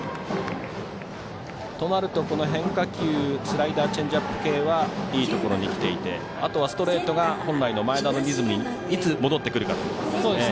となると変化球、スライダーチェンジアップ系はいいところにきていてあとはストレートが本来の前田のリズムにいつ戻ってくるか。